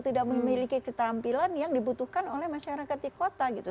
tidak memiliki keterampilan yang dibutuhkan oleh masyarakat di kota gitu